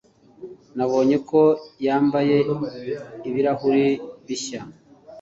Nabonye ko yambaye ibirahuri bishya.